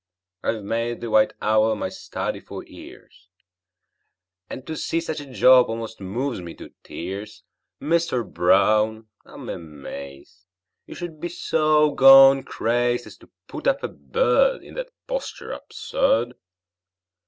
I've made the white owl my study for years, And to see such a job almost moves me to tears! Mister Brown, I'm amazed You should be so gone crazed As to put up a bird In that posture absurd!